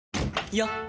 よっ！